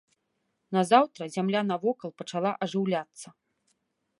Назаўтра зямля навокал пачала ажыўляцца.